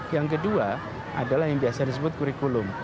yang kedua adalah yang biasa disebut kurikulum